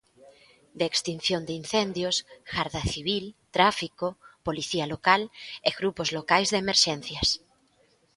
De extinción de incendios, Garda Civil, Tráfico, Policía Local e grupos locais de emerxencias.